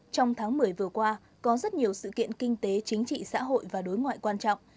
trong tháng một mươi vừa qua có rất nhiều sự kiện kinh tế chính trị xã hội và đối ngoại quan trọng